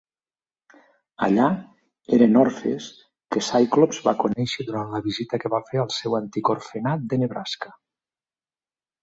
Allà eren orfes que Cyclops va conèixer durant la visita que va fer al seu antic orfenat de Nebraska.